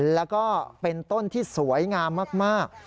แล้วก็เป็นต้นที่สวยงามมาก